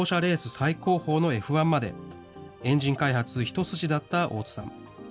最高峰のＦ１まで、エンジン開発一筋だった大津さん。